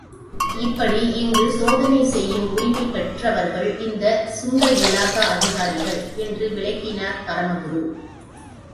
இப்படி இங்கு சோதனை செய்யும் உரிமை பெற்றவர்கள் இந்த சுங்க இலாக்கா அதிகாரிகள், என்று விளக்கினார் பரமகுரு.